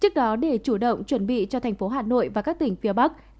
trước đó để chủ động chuẩn bị cho thành phố hà nội và các tỉnh phía bắc